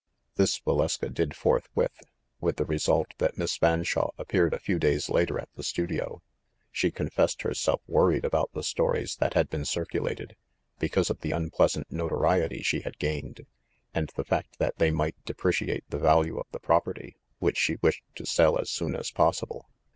This Valeska did forthwith, with the result that Miss Fanshawe appeared a few days later at the stu dio. She confessed herself worried about the stories that had been circulated, because of the unpleasant notoriety she had gained, and the fact that they might depreciate the value of the property, which she wished to sell as soon as possible.